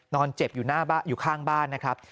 นอนเจ็บอยู่ข้างบ้านนะครับ